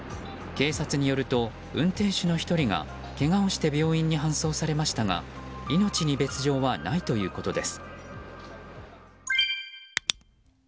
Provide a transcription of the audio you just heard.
警察によると運転手の１人がけがをして病院に搬送されましたが命に別条はないということです。